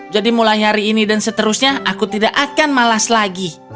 jadi mulai hari ini dan seterusnya aku tidak akan malas lagi